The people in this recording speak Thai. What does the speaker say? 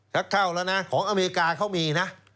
เข้าแล้วนะของอเมริกาเขามีนะ